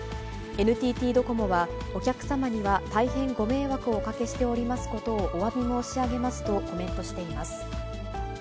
ＮＴＴドコモはお客様には大変ご迷惑をおかけしておりますことをおわび申し上げますとコメントしています。